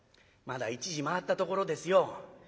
「まだ１時回ったところですよ」。